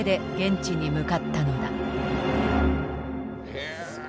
へえ。